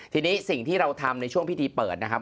ทีนี้สิ่งที่เราทำในช่วงพิธีเปิดนะครับ